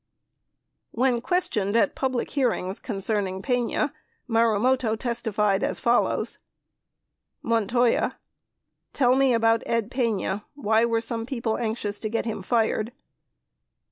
57 When questioned at public hearings concerning Pena, Marumoto testified as follows: Montoya. Tell me about Ed Pena, why were some people anxious to get him fired?